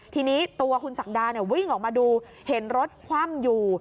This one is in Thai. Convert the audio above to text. ทีนี้ตัวคุณศักดาวิ่งออกมาดูเห็นรถคว่ำอยู่